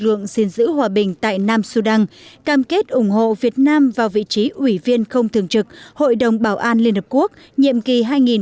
tổng bí thư nguyễn phú trọng xin giữ hòa bình tại nam sudan cam kết ủng hộ việt nam vào vị trí ủy viên không thường trực hội đồng bảo an liên hợp quốc nhiệm kỳ hai nghìn hai mươi hai nghìn hai mươi một